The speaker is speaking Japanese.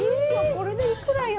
これでいくらよ？